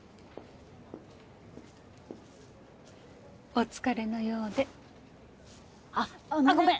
お疲れのようであっあのねあっごめん